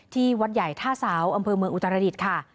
ที่วัดใหญ่ท่าสาวอำเภอเมืองอุตรดิษฐ์ค่ะ